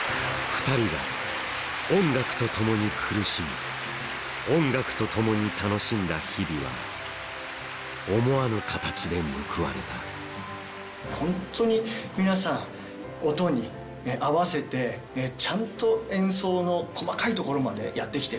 ２人が音楽と共に苦しみ音楽と共に楽しんだ日々は思わぬ形で報われたホントに皆さん音に合わせてちゃんと演奏の細かいところまでやってきてる。